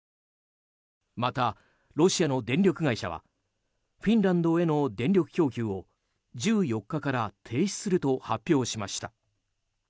また、ロシアの電力会社はフィンランドへの電力供給を１４日から停止すると発表しました。